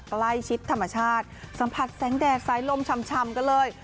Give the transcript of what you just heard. ใกล้ชิดธรรมชาติสัมผัสแสงแดดสายลมชำกันเลย